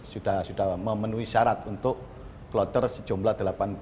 sudah memenuhi syarat untuk kloter sejumlah delapan puluh